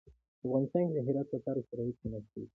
په افغانستان کې د هرات لپاره شرایط مناسب دي.